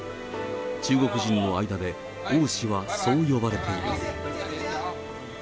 中国人の間で王氏はそう呼ばれている。